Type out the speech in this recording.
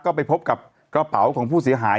ก็ไปพบกับกระเป๋าของผู้เสียหาย